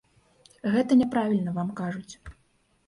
Гэта няправільна вам кажуць.